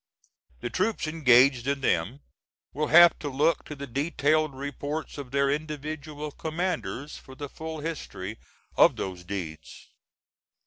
The troops engaged in them will have to look to the detailed reports of their individual commanders for the full history of those deeds.